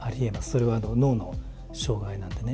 それは脳の障害なんでね。